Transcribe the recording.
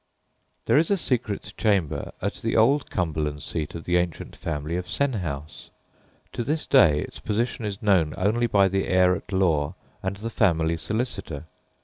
There is a secret chamber at the old Cumberland seat of the ancient family of Senhouse. To this day its position is known only by the heir at law and the family solicitor.